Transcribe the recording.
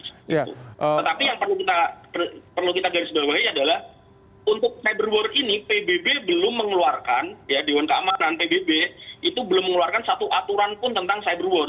tetapi yang perlu kita garis bawahi adalah untuk cyber war ini pbb belum mengeluarkan dewan keamanan pbb itu belum mengeluarkan satu aturan pun tentang cyber war